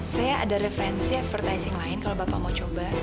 saya ada referensi advertising lain kalau bapak mau coba